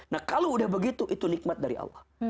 nah kalau udah begitu itu nikmat dari allah